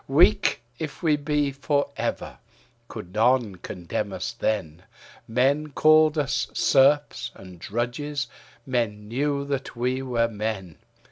Weak if we be for ever, could none condemn us then; Men called us serfs and drudges; men knew that were were men.